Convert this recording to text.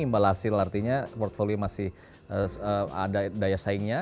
imbal hasil artinya portfolio masih ada daya saingnya